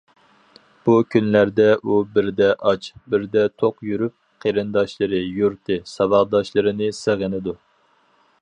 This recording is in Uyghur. بۇ كۈنلەردە ئۇ بىردە ئاچ، بىردە توق يۈرۈپ، قېرىنداشلىرى، يۇرتى، ساۋاقداشلىرىنى سېغىنىدۇ.